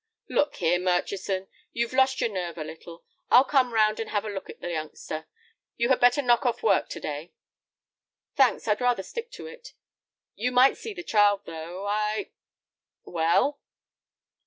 "Look here, Murchison, you've lost your nerve a little. I'll come round and have a look at the youngster. You had better knock off work to day." "Thanks, I'd rather stick to it. You might see the child, though. I—" "Well?"